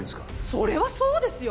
それはそうですよ！